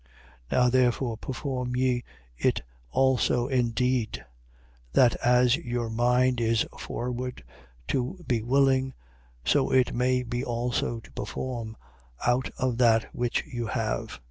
8:11. Now therefore perform ye it also in deed: that as your mind is forward to be willing, so it may be also to perform, out of that which you have.